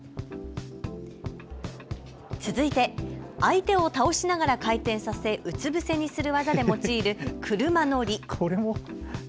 続いて相手を倒しながら回転させうつ伏せにする技で用いる車の理。